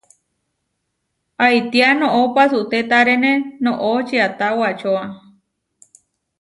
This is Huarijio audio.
¿Aitía noʼó pasutétarene noʼó? čiatá wacóa.